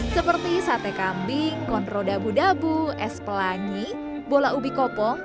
seperti sate kambing konro dabu dabu es pelangi bola ubi kopong